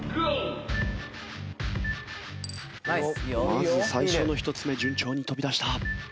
まず最初の１つ目順調に飛び出した。